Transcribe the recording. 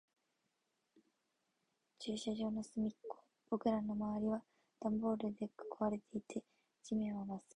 駐車場の端っこ。僕らの周りはダンボールで囲われていて、地面は真っ青。